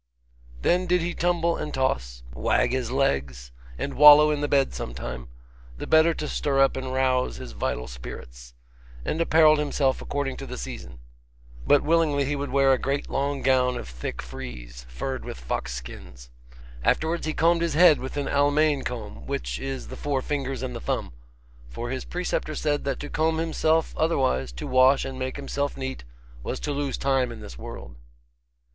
Then did he tumble and toss, wag his legs, and wallow in the bed some time, the better to stir up and rouse his vital spirits, and apparelled himself according to the season: but willingly he would wear a great long gown of thick frieze, furred with fox skins. Afterwards he combed his head with an Almain comb, which is the four fingers and the thumb. For his preceptor said that to comb himself otherwise, to wash and make himself neat, was to lose time in this world.